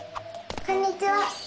こんにちは！